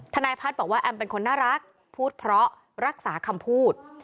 นายพัฒน์บอกว่าแอมเป็นคนน่ารักพูดเพราะรักษาคำพูด